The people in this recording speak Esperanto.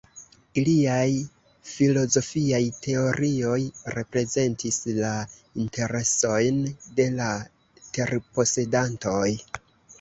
Iliaj filozofiaj teorioj reprezentis la interesojn de la terposedantoj.